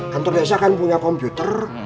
kantor desa kan punya komputer